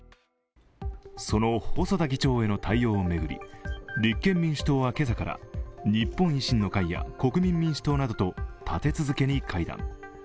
その細田議長への対応を巡り立憲民主党は今朝から日本維新の会や国民民主党などと立て続けに会談。